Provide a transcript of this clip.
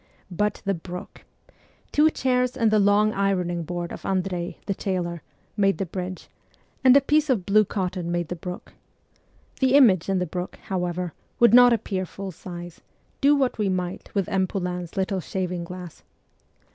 But the brook ! Two chairs and the long ironing board of Andrei, the tailor, made the bridge, and a piece of blue cotton made the brook. The image in the brook, however, would not appear full size, do what we might with M. Poulain's little shaving glass.